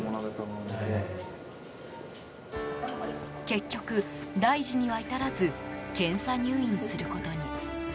結局、大事には至らず検査入院することに。